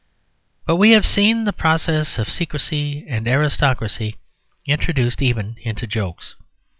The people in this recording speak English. But we have seen the process of secrecy and aristocracy introduced even into jokes.